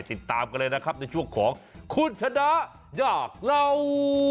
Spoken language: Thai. ติดตามกันเลยนะครับในช่วงของคุณชนะอยากเล่า